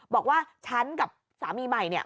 บอกว่าฉันกับสามีใหม่เนี่ย